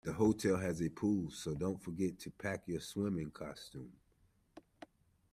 The hotel has a pool, so don't forget to pack your swimming costume